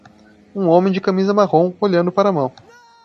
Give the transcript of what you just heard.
Um homem de camisa marrom, olhando para a mão.